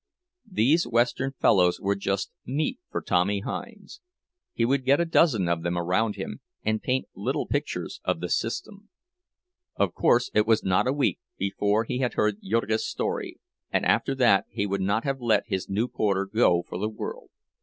These Western fellows were just "meat" for Tommy Hinds—he would get a dozen of them around him and paint little pictures of "the System." Of course, it was not a week before he had heard Jurgis's story, and after that he would not have let his new porter go for the world.